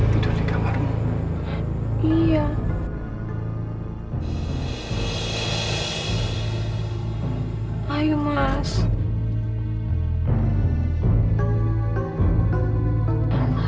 tidur di kamarmu